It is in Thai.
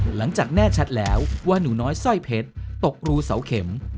หลังจากแน่ชัดแล้วว่าหนูน้อยสร้อยเพชรตกรูเสาเข็ม